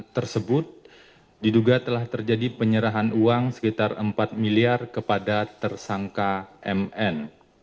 tersebut diduga telah terjadi penyerahan uang sekitar empat miliar kepada tersangka mn